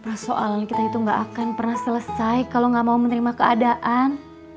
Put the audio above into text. persoalan kita itu gak akan pernah selesai kalau nggak mau menerima keadaan